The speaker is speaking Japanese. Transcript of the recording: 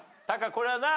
これはな